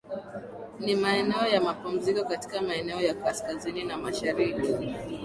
Ni maeneo ya mapumziko katika maeneo ya kaskazini na mashariki